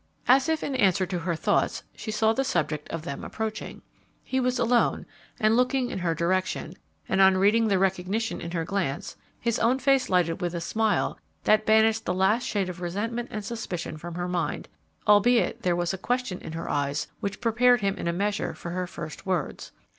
As if in answer to her thoughts, she saw the subject of them approaching. He was alone and looking in her direction, and on reading the recognition in her glance, his own face lighted with a smile that banished the last shade of resentment and suspicion from her mind, albeit there was a question in her eyes which prepared him in a measure for her first words.